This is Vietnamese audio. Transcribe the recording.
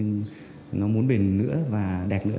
nó muốn bền nữa và đẹp nữa